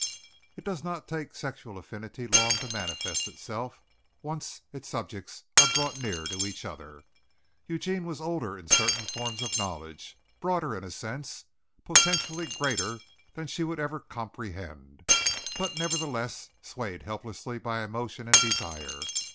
It does not take sexual affinity long to manifest itself, once its subjects are brought near to each other. Eugene was older in certain forms of knowledge, broader in a sense, potentially greater than she would ever comprehend; but nevertheless, swayed helplessly by emotion and desire.